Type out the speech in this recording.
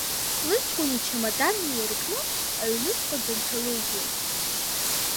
Лыҷкәын ичамадан неиркны аҩнуҵҟа дынҭалыжьлеит.